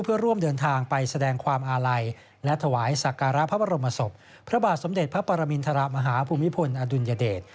เพื่อร่วมเดินทางไปแสดงความอาลัยและถวายสักการะพระบรมศพพระบาทสมเด็จพระปรมินทรมาฮาภูมิพลอดุลยเดช